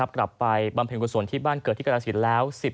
กลับไปบำเพลงกุศลที่บ้านเกิดที่กำลังขีดแล้ว